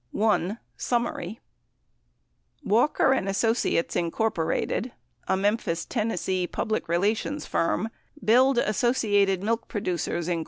i. summary Walker and Associates, Inc., a Memphis, Tenn. public relations firm, billed Associated Milk Producers, Inc.